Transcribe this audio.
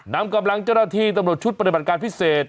นำกำลังเจ้าหน้าที่ตำรวจชุดปฏิบัติการพิเศษ